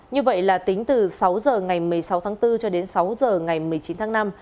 như vậy là tính từ sáu h ngày một mươi sáu tháng bốn cho đến sáu h ngày một mươi chín tháng năm